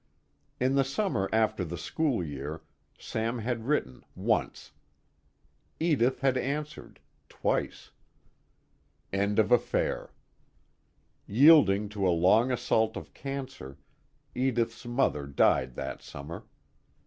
In the summer after the school year, Sam had written, once; Edith had answered, twice. End of affair. Yielding to a long assault of cancer, Edith's mother died that summer.